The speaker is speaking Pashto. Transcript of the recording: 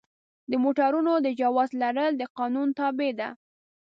د موټروان د جواز لرل د قانون تابع ده.